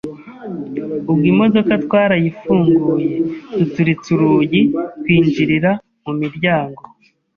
Ubwo imodoka twarayifunguye duturitsa urugi twinjirira mu miryango